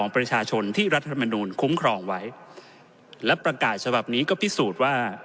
ประชาชนที่รัฐธรรมนูลคุ้มครองไว้และประกาศฉบับนี้ก็พิสูจน์ว่า